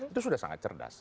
itu sudah sangat cerdas